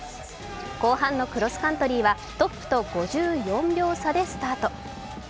後半のクロスカントリーはトップと５４秒差でスタート。